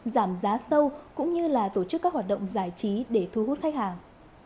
giảm giá sâu cũng như là tổ chức các hoạt động giải trí để thu hút khách hàng